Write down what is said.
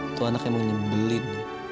itu anak yang menyebelin